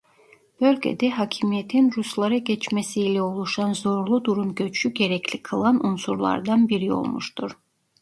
Bölgede hakimiyetin ruslara geçmesi ile oluşan zorlu durum göçü gerekli kılan unsurlardan biri olmuştur.